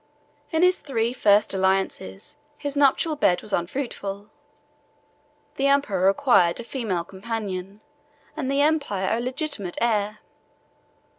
In his three first alliances, his nuptial bed was unfruitful; the emperor required a female companion, and the empire a legitimate heir.